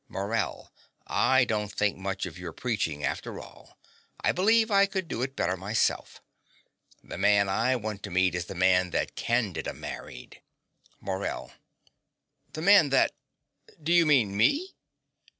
Morell: I don't think much of your preaching after all: I believe I could do it better myself. The man I want to meet is the man that Candida married. MORELL. The man that ? Do you mean me?